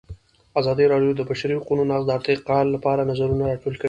ازادي راډیو د د بشري حقونو نقض د ارتقا لپاره نظرونه راټول کړي.